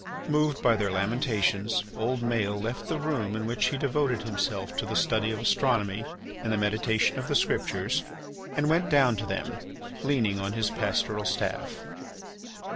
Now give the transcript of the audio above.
Moved by their lamentations, old Maël left the room in which he devoted himself to the study of astronomy and the meditation of the Scriptures, and went down to them, leaning on his pastoral staff.